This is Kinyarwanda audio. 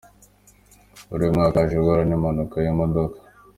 Muri uyu mwaka yaje guhura n’impanuka y’imodoka.